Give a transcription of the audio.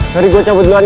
sorry gua cabut duluan ya